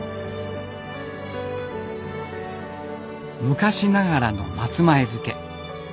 昔ながらの松前漬。